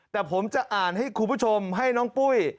แต่ผมจะอ่านให้คุณผู้ชมให้น้องปุ้ย